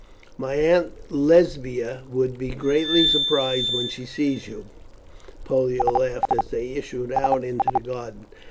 "My Aunt Lesbia will be greatly surprised when she sees you," Pollio laughed as they issued out into the garden.